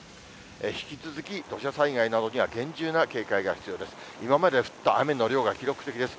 引き続き土砂災害などには厳重な警戒が必要です。